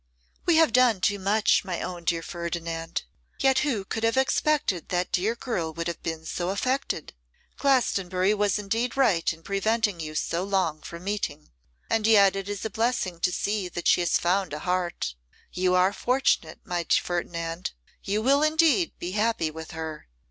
'We have done too much, my own dear Ferdinand. Yet who could have expected that dear girl would have been so affected? Glastonbury was indeed right in preventing you so long from meeting. And yet it is a blessing to see that she has so fond a heart. You are fortunate, my Ferdinand: you will indeed be happy with her.